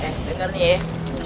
eh denger nih ya